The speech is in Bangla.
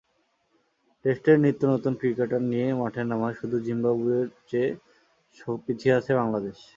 টেস্টে নিত্যনতুন ক্রিকেটার নিয়ে মাঠে নামায় শুধু জিম্বাবুয়ের চেয়ে পিছিয়ে আছে বাংলাদেশ।